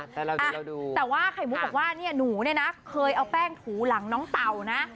แต่ว่าไข่มุกบอกว่าหนูเนี่ยนะเคยเอาแป้งถูหลังน้องเต่านะ